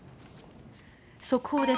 速報です。